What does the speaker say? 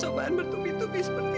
coba bertubi tubi seperti ini